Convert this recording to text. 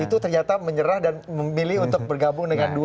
itu ternyata menyerah dan memilih untuk bergabung dengan dua